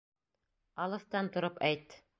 Алыҫтан тороп әйт!